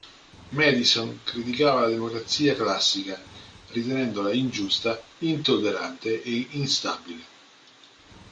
Madison criticava la democrazia classica ritenendola ingiusta, intollerante e instabile.